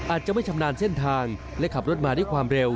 อาจจะไม่ชำนาญเส้นทางและขับรถมาด้วยความเร็ว